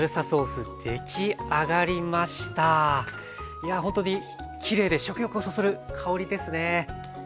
いやほんとにきれいで食欲をそそる香りですね。